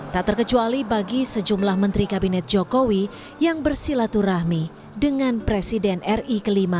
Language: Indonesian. tak terkecuali bagi sejumlah menteri kabinet jokowi yang bersilaturahmi dengan presiden ri ke lima